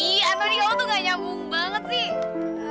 ih antonia kamu tuh gak nyambung banget sih